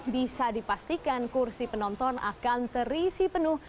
bisa dipastikan kursi penonton akan terisi penuh